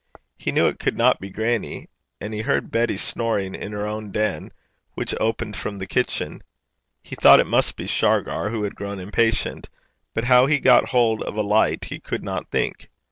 He knew it could not be grannie, and he heard Betty snoring in her own den, which opened from the kitchen. He thought it must be Shargar who had grown impatient; but how he had got hold of a light he could not think.